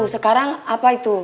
sekarang apa itu